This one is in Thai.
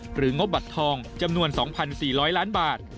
งบบัตรทองจำนวน๒๔๐๐ล้านบาท